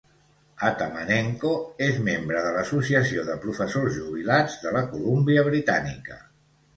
Atamanenko és membre de l'associació de professors jubilats de la Colúmbia Britànica.